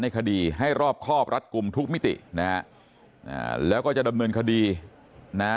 คดีให้รอบครอบรัดกลุ่มทุกมิตินะฮะแล้วก็จะดำเนินคดีนะ